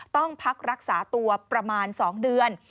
ต้องพักรักษาตัวประมาณ๒เดือน